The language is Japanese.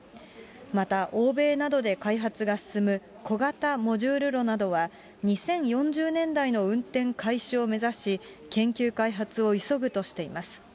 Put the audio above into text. また欧米などで開発が進む小型モジュール炉などは、２０４０年代の運転開始を目指し、研究開発を急ぐとしています。